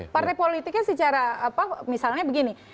karena partai politiknya secara misalnya begini